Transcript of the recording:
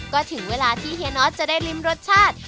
ก็ถึงเวลาที่เฮียน็อตจะได้ริมรสชาติ